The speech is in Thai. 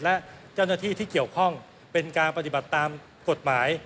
และเจ้าหน้าที่ที่เกี่ยวข้องเป็นการปฏิบัติตามกฎหมาย